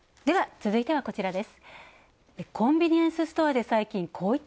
では続いてはこちらです。